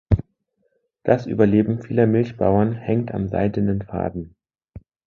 Das Überleben vieler Milchbauern hängt am seidenen Faden.